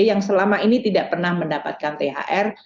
yang selama ini tidak pernah mendapatkan thr